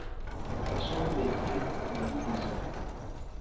Okasombedde, maliriza.